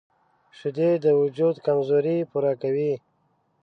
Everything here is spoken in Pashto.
شیدې د وجود کمزوري پوره کوي